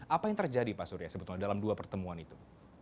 apa yang terjadi pak surya sebetulnya dalam dua pertemuan itu